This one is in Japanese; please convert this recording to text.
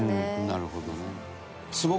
なるほどね。